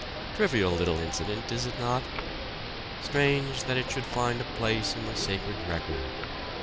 Trivial little incident, is it not? Strange that it should find a place in the sacred record.